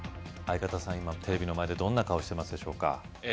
今テレビの前でどんな顔してますでしょうか？